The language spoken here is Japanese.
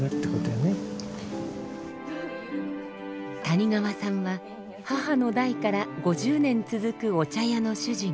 谷川さんは母の代から５０年続くお茶屋の主人。